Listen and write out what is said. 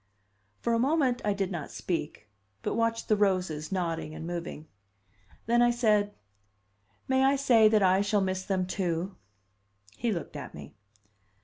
For a moment I did not speak, but watched the roses nodding and moving. Then I said: "May I say that I shall miss them, too?" He looked at me.